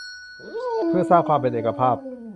เพื่อสร้างความเป็นเอกภาพ